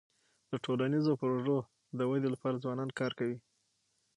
د ټولنیزو پروژو د ودی لپاره ځوانان کار کوي.